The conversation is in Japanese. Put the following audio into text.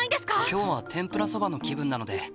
今日は天ぷらそばの気分なので。